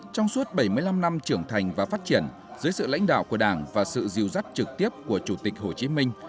trong suốt bảy mươi năm năm trưởng thành và phát triển dưới sự lãnh đạo của đảng và sự diêu dắt trực tiếp của chủ tịch hồ chí minh